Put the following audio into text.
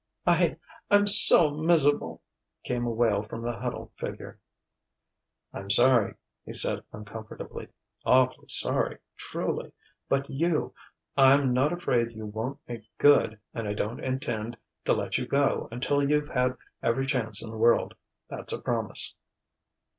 "I I'm so mis'able!" came a wail from the huddled figure. "I'm sorry," he said uncomfortably "awfully sorry, truly. But you I'm not afraid you won't make good, and I don't intend to let you go until you've had every chance in the world. That's a promise."